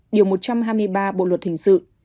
điều một trăm hai mươi ba bộ luật hình sự